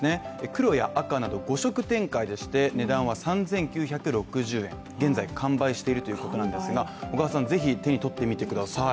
黒や赤など５色展開でして、値段は３９６０円、現在完売しているということなんですが、小川さんぜひ手にとってみてください